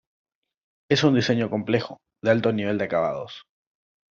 Es un diseño complejo, de alto nivel de acabados".